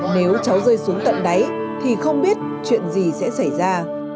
nếu cháu rơi xuống tận đáy thì không biết chuyện gì sẽ xảy ra